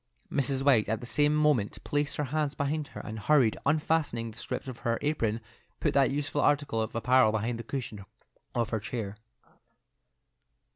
Mrs. White at the same moment placed her hands behind her, and hurriedly unfastening the strings of her apron, put that useful article of apparel beneath the cushion of her chair.